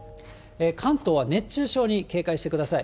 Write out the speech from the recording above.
関東は熱中症に警戒してください。